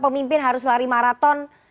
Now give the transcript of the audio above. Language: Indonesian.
pemimpin harus lari maraton